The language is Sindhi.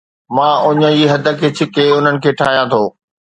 مان اُڃ جي حد کي ڇڪي انهن کي ٺاهيان ٿو